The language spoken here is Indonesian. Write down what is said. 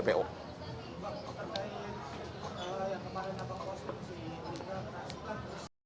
bapak mengatakan yang kemarin apa kosong sih